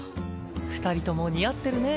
２人とも似合ってるね。